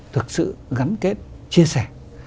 thực sự gắn kết chia sẻ